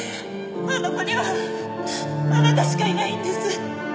あの子にはあなたしかいないんです。